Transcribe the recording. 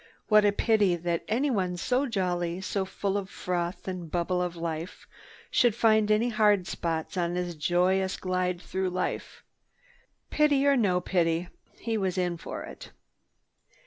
What a pity that anyone so jolly, so full of the froth and bubble of life, should find any hard spots on his joyous glide through life! Pity or no pity, he was in for it!